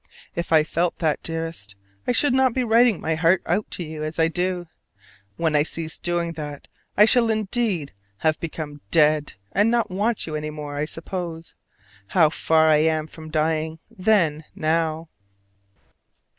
If I felt that, dearest, I should not be writing my heart out to you, as I do: when I cease doing that I shall indeed have become dead and not want you any more, I suppose. How far I am from dying, then, now!